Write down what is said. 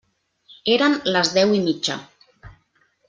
Eren les deu i mitja.